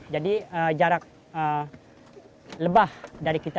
jadi jarak lebah dari kita